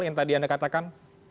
yang tadi anda katakan